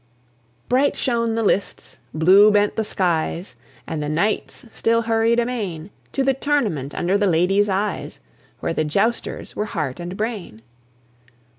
I. Bright shone the lists, blue bent the skies, And the knights still hurried amain To the tournament under the ladies' eyes, Where the jousters were Heart and Brain.